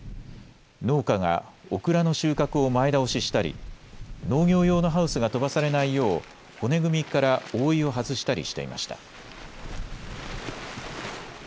農家がオクラの収穫を前倒ししたり農業用のハウスが飛ばされないよう骨組みから覆いを外したりしていました。